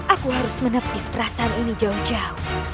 aku harus menepis perasaan ini jauh jauh